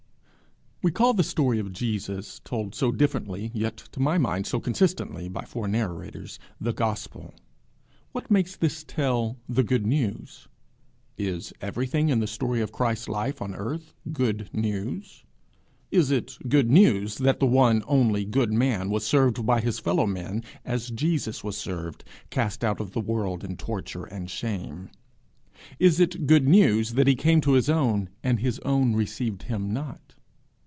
We call the story of Jesus, told so differently, yet to my mind so consistently, by four narrators, the gospel. What makes this tale the good news? Is everything in the story of Christ's life on earth good news? Is it good news that the one only good man was served by his fellow men as Jesus was served cast out of the world in torture and shame? Is it good news that he came to his own, and his own received him not?